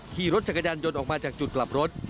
ขี่รถจักรยานยนต์ออกมาจากจุดกลับรถ